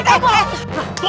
jadi posainaya phari da